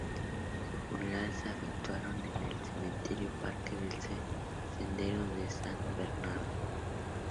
Su funeral se efectuaron en el Cementerio Parque del Sendero de San Bernardo.